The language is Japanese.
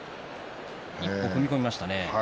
一歩、踏み込みましたね。